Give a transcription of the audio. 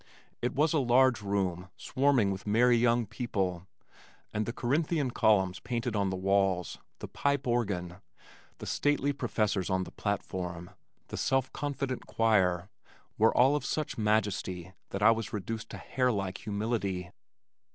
It was a large room swarming with merry young people and the Corinthian columns painted on the walls, the pipe organ, the stately professors on the platform, the self confident choir, were all of such majesty that I was reduced to hare like humility.